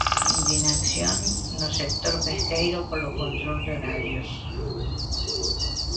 Indignación no sector pesqueiro polo control de horarios.